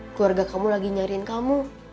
keluarga kamu lagi nyariin kamu